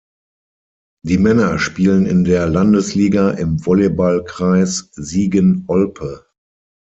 Die Männer spielen in der Landesliga im Volleyball-Kreis Siegen-Olpe.